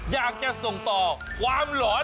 อยากจะส่งต่อความหลอน